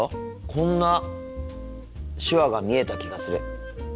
こんな手話が見えた気がする。